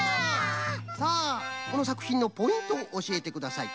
さあこのさくひんのポイントをおしえてください。